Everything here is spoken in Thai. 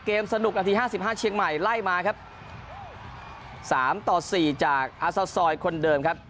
เกมสนุกนาที๕๕เชียงใหม่ไล่มาครับ๓๔จากอาซาสอยค์คนเดิมครับ